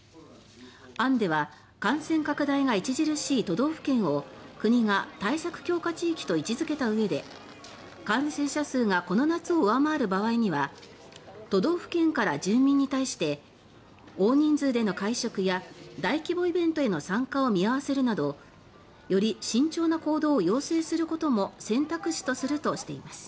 案では感染拡大が著しい都道府県を国が「対策強化地域」と位置付けたうえで感染者数がこの夏を上回る場合には都道府県から住民に対して大人数での会食や大規模イベントへの参加を見合わせるなどより慎重な行動を要請することも選択肢とするとしています。